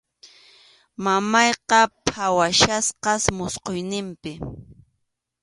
Mamayqa phawachkasqas musquyninpi.